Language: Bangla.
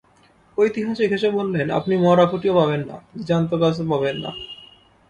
ঐতিহাসিক হেসে বললেন, আপনি মরা খুঁটিও পাবেন না, জ্যান্ত গাছও পাবেন না।